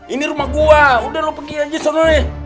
ini rumah gua udah lu pergi aja sana nih